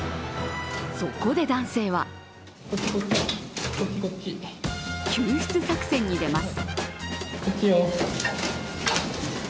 そこで男性は救出作戦に出ます。